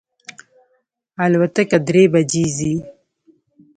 الوتکه درې بجی ځي